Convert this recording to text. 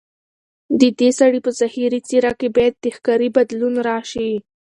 ددې سړي په ظاهري څېره کې باید د ښکاري بدلون راشي.